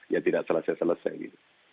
ya tidak selesai selesai